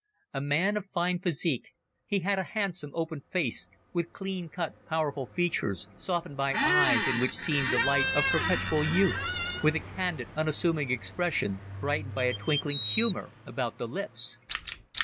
A man of fine physique, he had a handsome, open face, with clean cut, powerful features, softened by eyes in which seemed the light of perpetual youth, with a candid, unassuming expression, brightened by a twinkling humour about the lips.